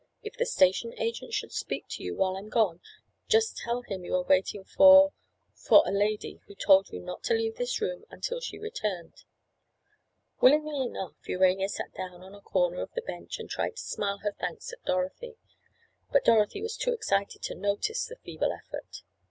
If the station agent should speak to you while I'm gone, just tell him you are waiting for—for a lady, who told you not to leave this room until she returned." Willingly enough Urania sank down on a corner of the bench, and tried to smile her thanks at Dorothy. But Dorothy was too excited to notice the feeble effort.